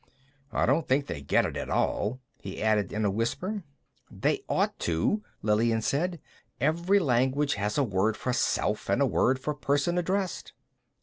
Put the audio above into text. "I don't think they get it at all," he added in a whisper. "They ought to," Lillian said. "Every language has a word for self and a word for person addressed."